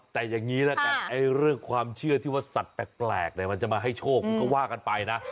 แต่อย่างนี้ละกันเรื่องความเชื่อที่ว่าสัตว์แปลกมันจะมาให้โชคมันก็ว่ากันไปนะ